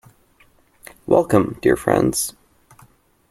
Welcome, dear friends.